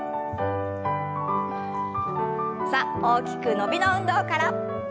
さあ大きく伸びの運動から。